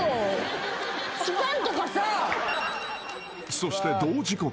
［そして同時刻。